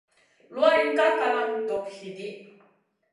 Luwayn ka kalama dog hidi.